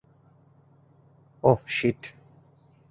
ওহ, sheet.